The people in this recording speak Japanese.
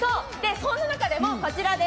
そんな中でもこちらです。